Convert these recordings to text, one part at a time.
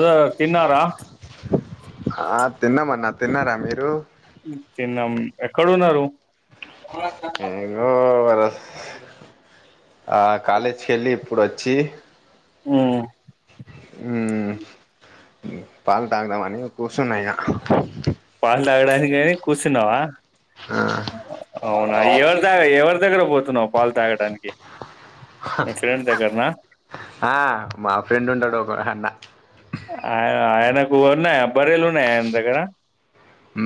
Sir తిన్నారా ఆ తిన్నామన్న తిన్నారా మీరు తిన్నాం ఎక్కడున్నారు ఏంగో ఆ కాలేజ ళలి పర్ొచ్చి ఆ పాలు తాగుదామ అని కూర్చున్నాయ్యా పాటలాగడానికి కాని కూర్చున్నావా అ అవునా ఎవరి తాగ ఎవరి దగ్గర పోతున్నావు పాలు తాగడానికి మీ ఫ్రెండ్ దగ్గరనా ఆ మా ఫ్రెం ఉంటాడుో బ అన్న యయనకువ భరలు న ఎయనంతగడా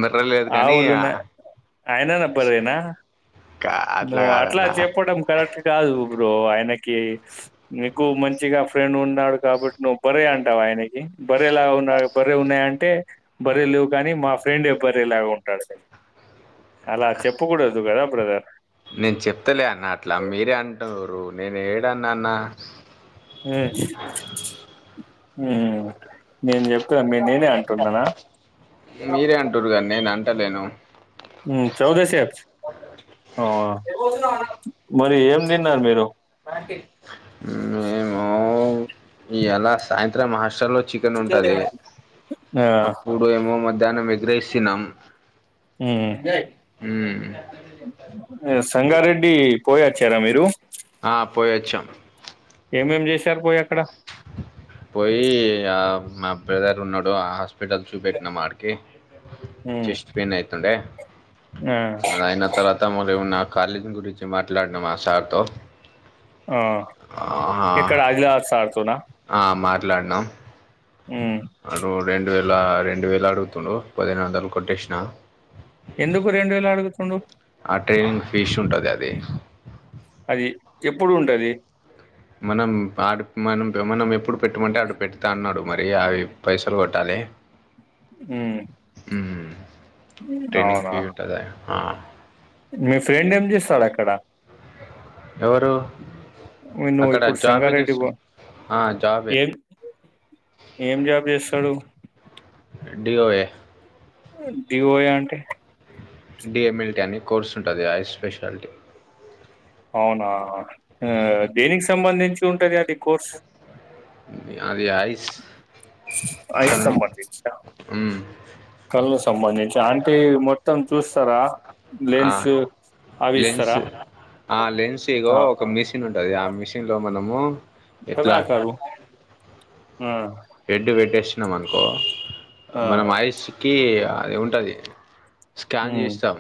మిర్రలేదు ఆ కానీ ఉలన్నా అయనా నా పేనా కా నువ్ అట్లా కాదన్న చెప్పడం కరెక్ట్ కాదు బ్రో ఆయనకి ఏ మీకు మంచిగా ఫ్రెండ్ ఉ నాడు కాబట్టి ను్ బరే అంటావాయనకి బరే వు బరే ఉన్నాయా అంటే బరీ లేవు కానీ మా ఫ్రెండ్ ఎ బరేలాగా ఉంటాడు అలా చెప్పు కుడదు కదా బ్రదర్ నేను చెప్తలే అన్న అట్లా మీరే అంటురు నేను ఏడన్నాన్న మ్మ్ నేను చెప్తాను మీ నేనే అంటున్నానా మీరే అంటురుగా నేను అంట ఉంటలేను చౌదశప్స్ మరి ఏం తిన్నారు మీరు ఈ ఎలా సాయంత్రం మా హాస్టల్ లో చికెన్ ఉంటది ఆ అప్పుడు ఏమో మధ్య దాని [unintelligible] సంగారెడ్డి పోయొచ్చారా మీరు పోయవచ్చం ఏమేమి చేశారు పోయి అక్కడ పోయి ఆ అప్పు ఉన్నడు ఆ హాస్పిటల్ చూపెట్నమాడికి ఉమ్ చెస్ట్ పయిన్ అవుతుండే ఆ అయ్యన తర్వాత మరేమో కాలేజ్ గురించి మాట్లాడనం ఆ సార్తో ఆ ఇక్కడ [unintelligible] సార్ తో నా ఆ మాట్లాడిన్నా మ్మ్ అడు రెండు వేల రెండు వేల అడుగుతుండు పదిహేను వందలు కొట్టేసిన ఎందుకు రెండు వేలు ఆడుగుతు డు ఆ ట్రైనింగ్ [unintelligible] ఉంటుంది అది అది ఎప్పుడు ఉంటది మనం ఆడు మనం మనం ఎప్పుడు పెట్టమంటే అడు పెడతా అన్నాడు మరి అవి పైసలు కొట్టాలి మ్మ్ ట్రేనింగ్ [unintelligible] ఆ మీ ఫ్రెండ్ ఏం చేస్తాడు అక్కడ ఎవరు [unintelligible] అక్కడ ఇప్పుడు జాబే సంగారెడ్డి చేస్తారు ఆ జాబే ఏం ఏం జాబ్ చేస్తాడు డిఓఎ డిఓఎ అంటే డిఎమ్ఎల్టీ అని కోర్స్ ఉంటుంది ఐ స్పెషాలిటీ అవునా ఆ దేనికి సంబంధించి ఉంటంది అది కదా కోర్స్ అది ఐస్ ఐ కన్ను సంబంధిత మ్, కల్లో తంబంధించ్ దాంటి మొత్తం చూస్తారా ఆ లెన్స్ అవిస్సర లెన్స్ ఆ లెన్స్ గో ఒక మెషిన్ ఉంటది ఆ మెషీన్ లో మనం మో కదా ఎట్లా కారు ఆ హెడ్డు వెట్టేష్ న మనుకో ఆ మనం ఐస్ కి ఆ అది ఉంటది స్కాన్ ఉమ్ చేస్తాం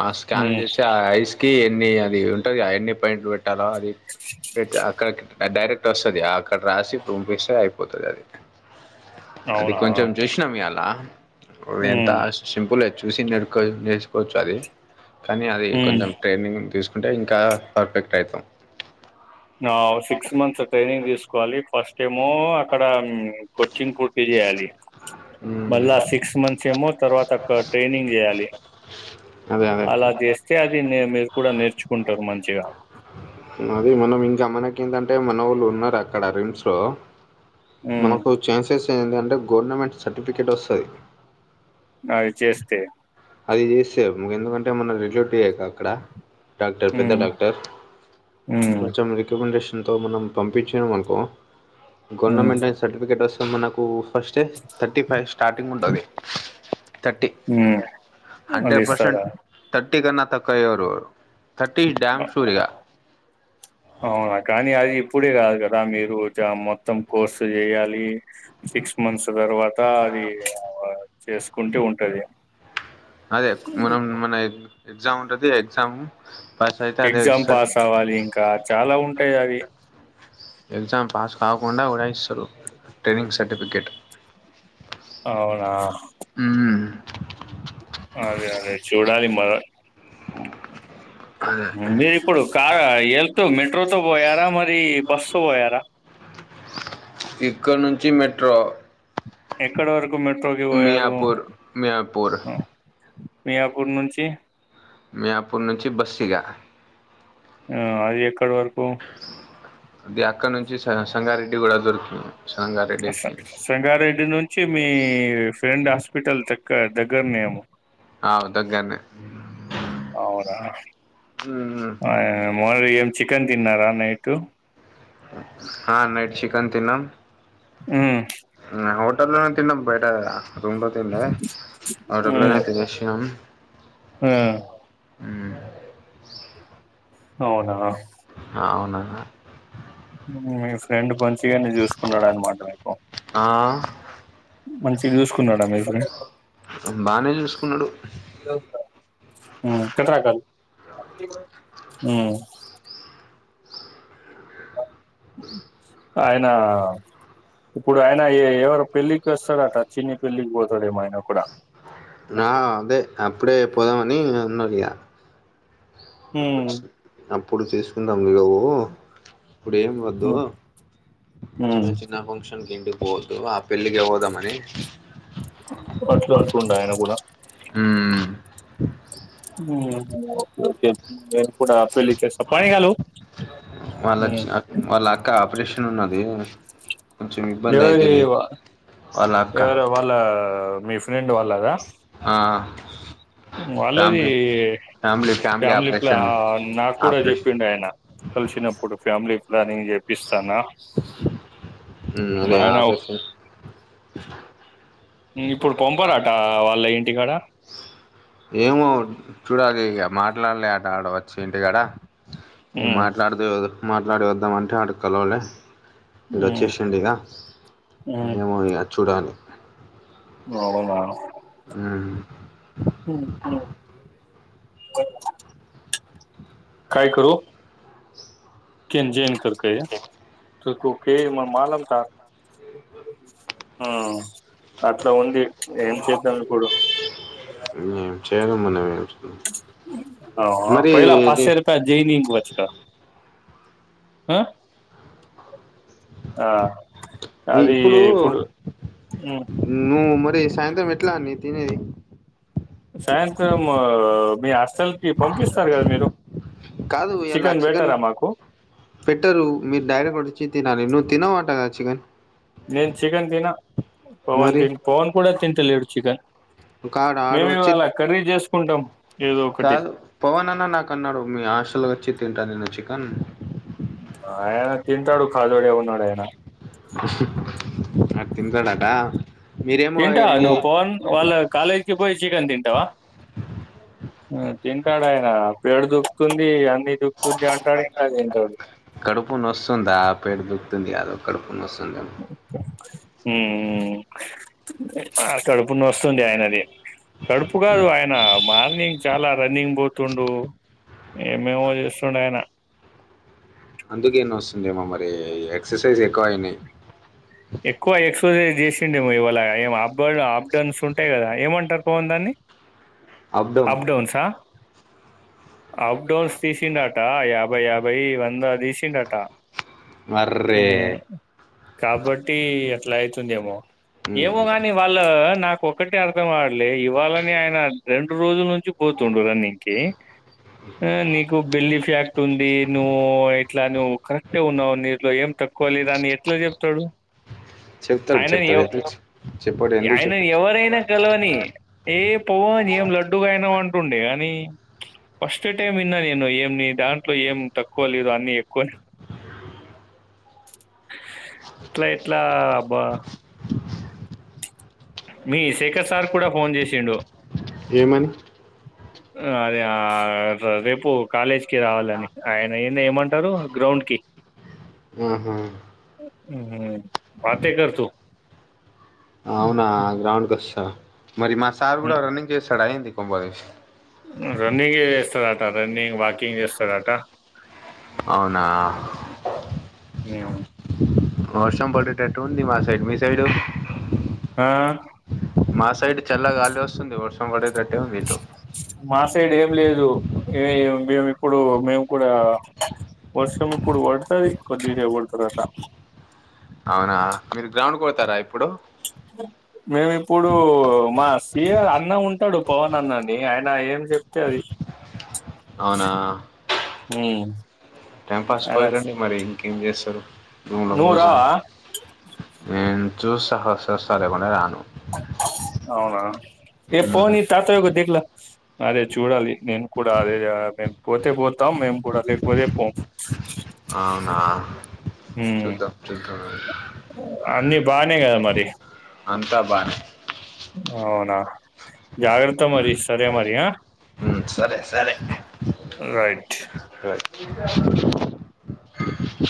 ఆ స్కాన్ ఉమ్ చేస్తే ఆ ఐస్ కి ఎన్ని అది ఉ టది అయన్ని పేయింట్లు బట్ ట్టాల అది పెట్ అక్కడకి డైరెక్ట్ వస్తుంది అక్కడ రాసి ఇప్పు పంపిస్తే అయిపోతది అది అది అవునా కొంచెం చూసినాం ఇయాలా అ కొవెంత ఉమ్ సింపుల్ ఎ చూసి నేర్ కో నేర్చుకోవచ్చ అది కానీ అది ఉమ్ కొంచెం ట్రైనింగ్ తీస్ అంటే ఇంకా పర్ఫెక్ట్ అయితాం ఆ సిక్స్ మంత్స్ ట్రైనింగ్ తీసుకోవాలి ఫస్ట్ ఏమో అక్కడ మ్మ్ కొచ్చింగ్ పూర్తి జేయాలి మళ్ళ మ్మ్ ఆ సిక్స్ మంత్స్ ఏమో తర్వాత క ట్రైనింగ్ చేయాలి అదే అదే అలా జేస్తే మీరు కూడా నేర్ చ్చుకుంటారు మంచిగా అది మనం ఇంకా మనకి ఏంటంటే మనవాళ్ళు ఉన్నారు అక్కడ రిమ్స్ లో ఉమ్ మనకు చాన్సెస్ టే ఎందంటే గవర్నమెంట్ సర్టిఫికేట్ వస్సది అది చేస్తే అది చేస్తే మ్ ఎందుకంటే మన రిలేటివ్ గ అక్కడ డాక్టర్ పెద్ద ఉమ్ డాక్టర్ ఉమ్ కొంచెం రికమెండేషన్ ఎంతో మనం పంపించినాం అనుకో ఉమ్ గవర్నమెంట్ లోనే సర్టిఫికేట్ వస్ మనకు ఫస్ట్ థర్టీ ఫైవ్ స్టార్టింగ్ ఉంటుంది థర్టి అళ ఇస్తారా టిగాన్న తక్కయరురు తటిీష్ డమ్ షూరిగా అవునా కానీ అది ఇప్పుడే కాదు కదా మీరు మొత్తం కోర్సు చేయాలి సిక్స్ మంత్స్ తర్వాత అది చేసుకుంటూ ఉంటది అదే మన మన ఎగ్జామ్ ఉంటది ఎగ్జామ్ పాస్ అయితే అదే ఎగ్జామ్ ఇస్తారు పాస్ అవ్వాలి ఇంకా చాలా ఉంటాది అవి ఎజ పాస్ కాకుండా డాయిస్తారు ట్రైనింగ్ సర్టిఫికేట్ అవునా ఆ అదే అదే చూడాలి మరో మీరి ఇప్పుడు కార్ వెళ్తూ మెట్రోతో పోయారా మరి బస్ త పోయారా ఇక్కడ నుంచి మెట్రో ఎక్కడ వరకు మెట్రోకి పోారు మియాపూర్ మియాపూర్ మీయాపూర్ నుంచి మియాపూర్ నుంచి బస్సుగా ఆ అది ఎక్కడి వరకు అది అక్కడ నుంచి స సంగారెడ్డి కూడా దొరుకింది సంగారెడ్డి నుంచి మీ ఫ్రెండ్ హాస్పిటల్ చగక్క దగ్గరనేము అ దగ్గనే అవునా మ్మ్ మం చికెన్ తిన్నారా నైటు ా నైట్ చికన్ తినం ఆ తిన్నాం బయట అదింటతే అడు ఉమ్ తెషం ఆ ఆ అవునా మీ ఉ ఫ్రెండ్ ప వచ్చి అన్ని చూసుకున్నాడు అన్నమాట మీకు ఆ మంచి గా చూసుకో కున్నాడ మీ ఫ్రెండ్ బానే చూసుకున్నాడు హు కట్రాకాల్ హు ఆయనా ఇప్పుడు ఆయన ఏ ఎవరు పెళ్లికొస్తాడట చిన్ని పెళ్ళికి పోతాడేమో ఆయనకూడ నా అదే అప్పుడే పోదమని అన్నదిగా ఉమ్ ఎప్పుడు చేసుకుందాం లో ఇప్పుడు ఏం వద్దు ఉమ్ ఉమ్, చిన్న చిన్న ఫంక్షన్ తిండిబోతు ఆ పెండ్లికి పోదామని అట్లా అనుకుండు ఆయన కూడ ఉ ఓకే ఓకే నేను కూడపెళ్లికి వస్తా పనిగాలో ఉ వున్నది ఎవరి వా వాళ్ళ అక్క ఎవరు వాళ్ళ మీ ఫ్రెండ్ వాళ్ళదా వాళ్ళది family family family operation plan నాకు కూడా ఆపరేషన్ చెప్పిండు ఆయన కలిసినప్పుడు ఫ్యామిలీ ప్లానింగ్ చేపిస్తాను, హు అదే ఆపరేషన్, ఇప్పుడు పంపరాట వాళ్ళ ఏంటికాడ ఏమో చూడాలి ఇక మాట్లాడలే ఆట ఆడ వచ్చి ఇంటికాడ ఏ మాట్లాడుతే వ మాట్లాడి వద్దామ అంటే ఆడ కలవలే ఇలా వచ్చేసండి ఇక ఏమో ఇక చూడాలి, అవునా ఆ కొ కైకు కే జన్ కు కెయ కు కు కే మ మాలంట అట్లా ఉంది ఏం చేద్దాం ఇప్పుడు మనమే ఆ ఒకవేళ ఇది పసల్ పాయ్ జైనికు వచ్చక ఆ ఆ ఇప్పుడు మ్, నువ్ మ ఐతే సాయంత్రం ఎట్లా అన్ని తినేది సాయంత్రము మీ అస్సలు కాదు ఇలా చికెన్ పెట్టారా మాకు పెట్టరు మీరు డైరకోడి తినాలి నువ్ తినవంట కద చికెన్ నేన్ చికెన్ తిన పవన్ తి పవన్ కూడా తింటలేడు చికెన్ ఒకాడు ఆడు మేము వచ్చి ఇవాళ కర్రీ చేసుకుంటాం ఏదో ఒకటి కాదు పవన్ అన్న నాకు అన్నాడు మీ హాస్టల్ వచ్చి తింటా నేను చికెన్ ఆయా [inaudible] తింటాడుఖాదోడె ఉన్నాడె అ అ తింటాడటా తింటా నువ్వు పోన్ వాళ్ళ కాలేజ్ కి పోయి చికన్ తింటా వా [inaudible] తింటాడు ఆయన పేడ దూకుతుంది అంత దుః జంట తా ఇకా [inaudible] యాదవక్కడ [inaudible] ఉన్నొస్తుందేం ఉమ్ ఉమ్ ఆ కడుపునొస్తుంది ఆయనది కడుపు కాదు ఆయన మార్నింగ్ చాలా రన్నింగ్ పోతుండు ఏమేమో చేస్తుండు ఆయన అందుకేనొస్తుందేమో మరి ఎక్సర్సైజ్ ఎక్కువ అయినాయ్ ఎక్కువ ఎక్సర్సైజ్ జేసి నేమో ఇవాలా ఏ అప్ అప్డన్స్ ఉంటాయి కదా ఏమంటారు పవన్ దాన్ని అబ్దం అప్ డౌన్సా అప్డౌన్స్ తీసిండటా ఆయా ఒక యాభై వందాదీసిండటా. అర్రే కీ అట్ల అయితుందేమో. ఉమ్. ఏమో కాని వాళ్ళ ఆ నాకు ఒకటే అర్థం కాలే ఇవాళని ఆయనా రెండు రోజుల్ నుంచి కూర్చుండు రన్నింగ్ కీ. ఆ నీకు బెల్లీ ఫ్యాట్ ఉందీ నువ్వూ ఇట్లా నువ్వు కరెక్టుగున్నావ్ నీలో ఏం తక్కువ లేదని ఎట్ల చెప్తడు. చెప్తాడు ఆయనని చెప్తాడు ఎవ్ ఎందుకు చెప్- చెప్పాడు ఎందుకు చెప్పు ఆయననీ ఎవరైనా కలవనీ, ఏ పో అని ఏం లడ్డుగయినవ్ అంటుండే గానీ. ఫస్ట్ టైమ్ ఇన్న నేను ఏం ని దా ట్లో ఏం తక్కువ లేదు అన్ని ఎక్కువ ఇట్ల ఎట్లా. బా మీ శేఖర్ సార్ కూడా ఫోన్ చేశిండు. ఏమని. అదే ఆ రేపు కాలేజ్ కి రావాలని. ఆయన ఎ ఇంగ ఏమంటరూ గ్రౌండ్ కి. ఆహా ఊ బాతే కర్ తూ ఆ గ్రౌండ్ కొస్తా. మరి మా సార్ గూడా రన్నింగ్ చేస్తాడా ఏంది. కొంపతీశి. రన్నింగే చేస్తారట రన్నింగ్, వాకింగ్ చేస్తాడట. అవునా ఉమ్. వర్షం పడేటట్టు ఉంది మా సైడ్ మీ సైడు. ఆ మా సైడ్ చల్ల గాలి ఒస్తుంది వర్షం పడేద్ మా సైడ్ ఏం లేదు. ఇగ మేము ఇప్పుడూ మేము కూడా వర్షం ఇప్పుడు పడతది కొద్దిసేపటి తర్వాత. అవునా, మీరు గ్రౌండ్ కు పోతారా ఇప్ మేమిప్పుడూ మా సి ఆర్ అన్న ఉంటడు పవన్ అన్న అనీ, ఆయన ఏం చెప్తే అది. అవునా హ్మ టైం పాస్ పొయి రండి మరీ. ఏం చేస్తరు. రూంలో నువ్వు కూసొని రావా ఏండ్ జ్యూస్ సహా వస్తే వస్త లేకుంటే రాను. అవునా ఏ ఫోన్ ఉమ్, ఇవ్వి తాతయ్యకు దిక్ల అదే చూడాలి నేను కూడా అదే మేము పోతే పోతాం మేము కూడాపోతే పోం అవునా హ్మ్ చూద్దాం చూద్దాం అన్నీ బానే కదా మరి అంతా బానే అవునా జాగ్రత్త మరి సరే మరి ఉమ్, సరే సరే రైట్ [unintelligible]